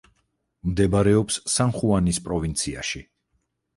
მდებარეობს სან-ხუანის პროვინციაში.